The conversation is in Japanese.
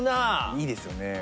いいですよね。